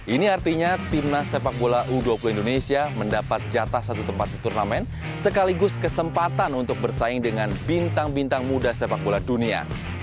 ini artinya timnas sepak bola u dua puluh indonesia mendapat jatah satu tempat di turnamen sekaligus kesempatan untuk bersaing dengan bintang bintang muda sepak bola dunia